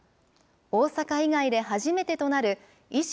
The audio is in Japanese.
大阪以外で初めてとなる維新